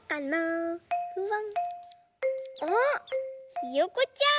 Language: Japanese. あっひよこちゃん！